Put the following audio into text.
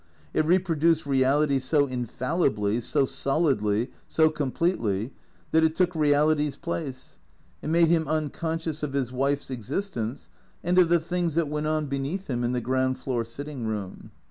It reproduced reality so infallibly, so solidly, so completely, that it took reality's place; it made him uncon scious of his wife's existence and of the things that went on beneath him in the ground floor sitting room.